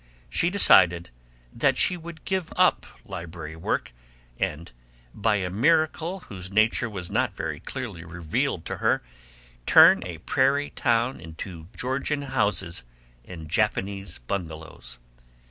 She decided that she would give up library work and, by a miracle whose nature was not very clearly revealed to her, turn a prairie town into Georgian houses and Japanese bungalows.